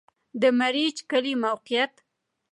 د مريچ کلی موقعیت